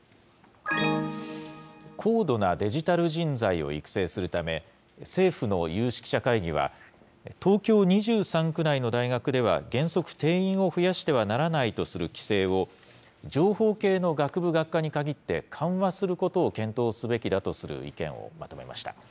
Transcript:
高度なデジタル人材を育成するため、政府の有識者会議は、東京２３区内の大学では原則、定員を増やしてはならないとする規制を、情報系の学部・学科に限って緩和することを検討すべきだとする意見をまとめました。